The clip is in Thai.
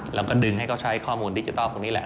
แล้วก็ดึงให้เขาใช้ข้อมูลดิจิทัลพวกนี้แหละ